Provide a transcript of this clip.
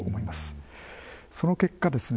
その結果ですね